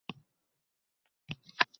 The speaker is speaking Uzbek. O‘zbek tili fidoyilari taqdirlanding